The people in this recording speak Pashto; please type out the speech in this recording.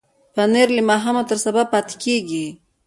پنېر له ماښامه تر سبا پاتې کېږي.